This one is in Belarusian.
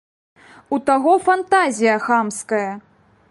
У таго фантазія хамская!